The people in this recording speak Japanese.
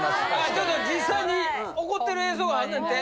ちょっと実際に怒ってる映像があんねんて。